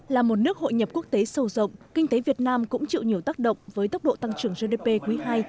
là một nước hội nhập quốc tế sâu rộng kinh tế việt nam cũng chịu nhiều tác động với tốc độ tăng trưởng gdp quý ii